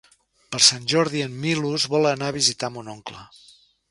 Per Sant Jordi en Milos vol anar a visitar mon oncle.